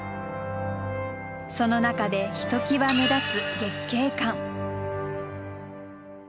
その中でひときわ目立つ